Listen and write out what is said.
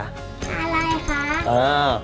อะไรคะ